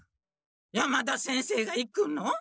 山田先生が行くの？